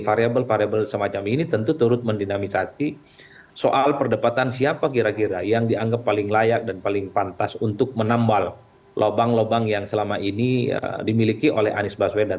variable variable semacam ini tentu turut mendinamisasi soal perdebatan siapa kira kira yang dianggap paling layak dan paling pantas untuk menambal lubang lubang yang selama ini dimiliki oleh anies baswedan